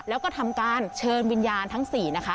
แล้วก็ทำการเชิญวิญญาณทั้ง๔นะคะ